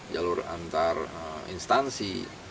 jalur antar instansi